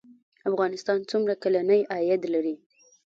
افغانستان څومره کلنی عاید لري؟